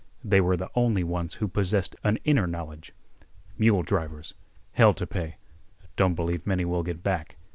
They were the only ones who possessed an inner knowledge. "Mule drivers—hell t' pay—don't believe many will get back."